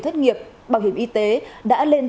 thất nghiệp bảo hiểm y tế đã lên